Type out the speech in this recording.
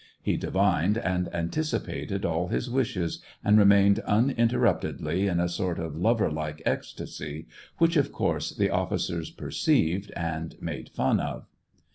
He divined and anticipated all his wishes, and remained uninterruptedly in a sort of lover like ecstasy, which, of course, the officers perceived, and made fun of.